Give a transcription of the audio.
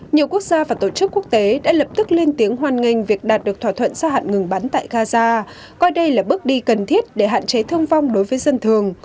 nhiều quốc gia và tổ chức quốc tế đã lập tức lên tiếng hoan nghênh việc đạt được thỏa thuận gia hạn ngừng bắn tại gaza coi đây là bước đi cần thiết để hạn chế thương vong đối với dân thường